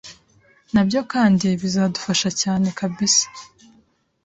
Nabyo kandi bizadufasha cyane kabisa